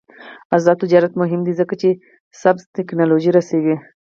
آزاد تجارت مهم دی ځکه چې سبز تکنالوژي رسوي.